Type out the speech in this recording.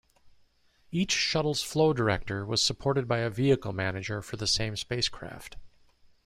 Each shuttle's Flow Director was supported by a Vehicle Manager for the same spacecraft.